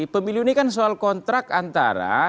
pemilu ini kan soal kontrak antara